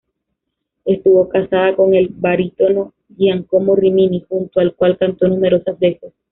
Estuvo casada con el barítono Giacomo Rimini, junto al cual cantó numerosas veces.